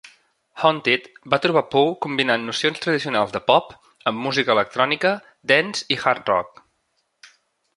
"Haunted" va trobar Poe combinant nocions tradicionals de pop amb música electrònica, dance i hard rock.